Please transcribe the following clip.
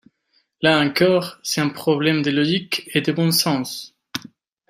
Là encore, c’est un problème de logique et de bon sens.